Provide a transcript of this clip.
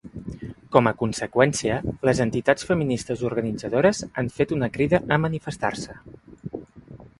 Com a conseqüència, les entitats feministes organitzadores han fet una crida a manifestar-se.